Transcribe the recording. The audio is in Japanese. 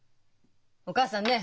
お母さんね